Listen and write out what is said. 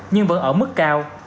nhưng vẫn ở mức cao